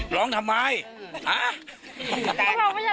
ร้องทำไม